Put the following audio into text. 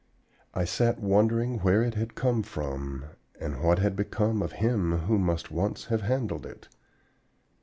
I sat wondering where it had come from, and what had become of him who must once have handled it.